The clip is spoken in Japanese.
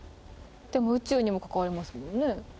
でも宇宙にも関わりますもんね。